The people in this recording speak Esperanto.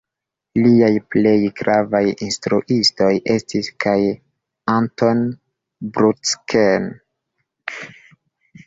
Liaj plej gravaj instruistoj estis kaj Anton Bruckner.